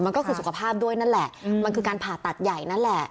มันก็คือสุขภาพด้วยนั่นแหละมันคือการผ่าตัดใหญ่นั่นแหละ